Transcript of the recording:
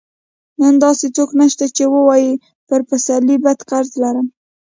نن داسې څوک نشته چې ووايي پر پسرلي بد قرض لرم.